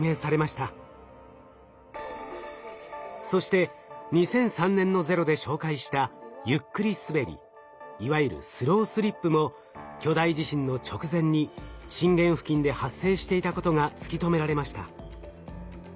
そして２００３年の「ＺＥＲＯ」で紹介した「ゆっくりすべり」いわゆる「スロースリップ」も巨大地震の直前に震源付近で発生していたことが突き止められました。